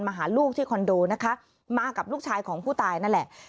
หาลูกที่คอนโดนะคะมากับลูกชายของผู้ตายนั่นแหละ